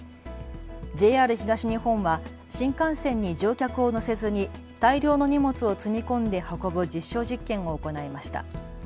ＪＲ東日本は新幹線に乗客を乗せずに大量の荷物を積み込んで運ぶ実証実験を行いました。